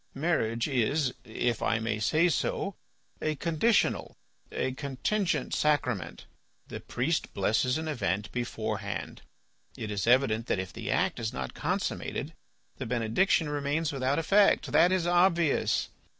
Marriage is, if I may say so, a conditional, a contingent sacrament. The priest blesses an event beforehand; it is evident that if the act is not consummated the benediction remains without effect. That is obvious.